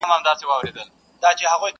ورک سم په هینداره کي له ځان سره.!